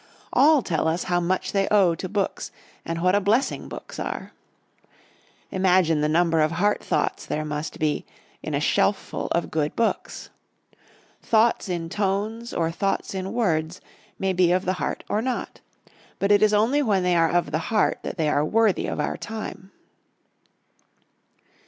All tell us how much they owe to books and what a blessing books are. Imagine the number of heart thoughts there must be in a shelf full of good books! Thoughts in tones or thoughts in words may be of the heart or not. But it is only when they are of the heart that they are worthy of our time.